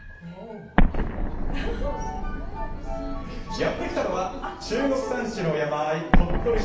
やって来たのは中国山地の山あい鳥取市